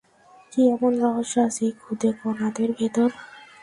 কী এমন রহস্য আছে এই খুদে কণাদের ভেতর?